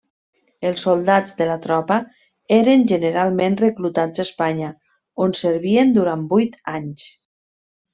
Els soldats de la tropa eren generalment reclutats a Espanya, on servien durant vuit anys.